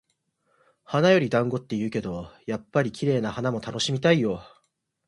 「花より団子」って言うけど、やっぱり綺麗な花も楽しみたいよ。